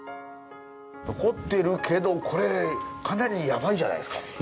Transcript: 残ってるけど、これ、かなりヤバいんじゃないですか。